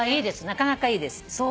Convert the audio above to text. なかなかいいです。